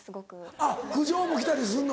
あっ苦情も来たりすんの。